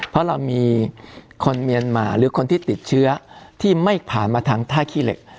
เพราะเรามีคนเมียนมาหรือคนที่ติดเชื้อที่ไม่ผ่านมาทางท่าขี้เหล็ก